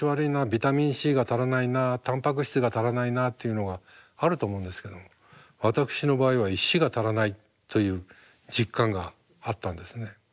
ビタミンＣが足らないなあタンパク質が足らないなあっていうのがあると思うんですけど私の場合は石が足らないという実感があったんですね。